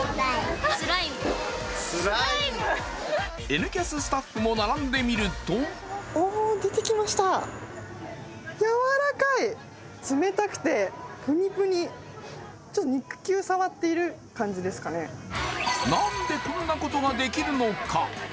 「Ｎキャス」スタッフも並んでみるとなんでこんなことができるのか？